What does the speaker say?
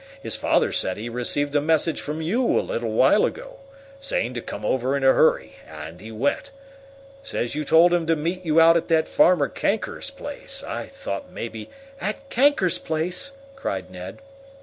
His father says he received a message from you a little while ago, saying to come over in a hurry, and he went. Says you told him to meet you out at that farmer Kanker's place. I thought maybe " "At Kanker's place!" cried Ned.